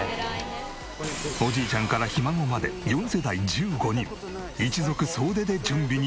おじいちゃんからひ孫まで４世代１５人一族総出で準備に取り掛かる。